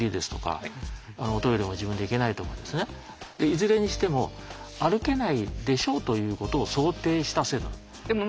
いずれにしても歩けないでしょうということを想定した制度なんです。